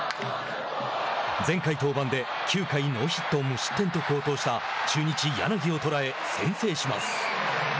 前回登板で９回ノーヒット無失点と好投した中日、柳を捉え先制します。